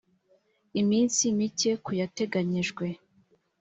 iminsi mike ku yateganyijwe